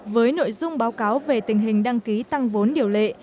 với nội dung báo cáo về tình hình đăng ký tăng vốn điều lệ